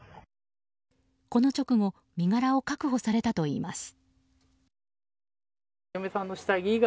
この直後身柄を確保されたといいます。